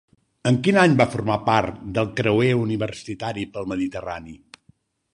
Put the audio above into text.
En quin any va formar part del creuer universitari pel Mediterrani?